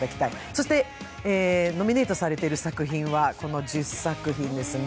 そして、ノミネートされている作品はこの１０作品ですね。